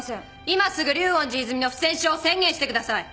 今すぐ竜恩寺泉の不戦勝を宣言してください。